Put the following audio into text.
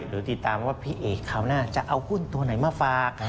หรือติดตามว่าพี่เอกคราวหน้าจะเอาหุ้นตัวไหนมาฝาก